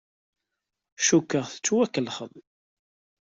Cukkeɣ tettwakellexeḍ.